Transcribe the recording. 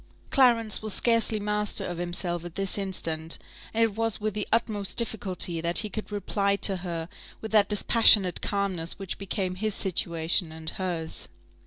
Clarence was scarcely master of himself at this instant; and it was with the utmost difficulty that he could reply to her with that dispassionate calmness which became his situation and hers.